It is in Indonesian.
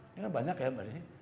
ini kan banyak ya mbak desi